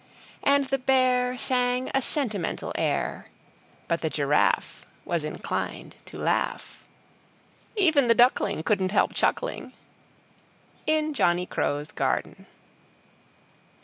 And the Bear Sang a sentimental Air, But the Giraffe Was inclined to laugh; Even the Duckling Couldn't help chuckling In Johnny Crow's Garden.